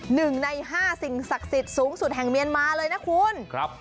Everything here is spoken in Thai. หนึ่งในห้าสิ่งศักดิ์สิทธิ์สูงสุดแห่งเมียนมาเลยนะคุณครับ